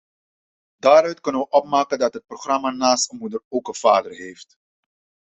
Daaruit kunnen wij opmaken dat het programma naast een moeder ook een vader heeft.